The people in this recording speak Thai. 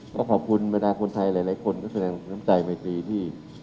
ก็ขอบคุณบริดารกรณีที่คนไทยหลายคนก็แสดงในรังผู้ชายไมค์ทรีย์ที่